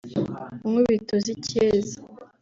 Inkubito z’Icyeza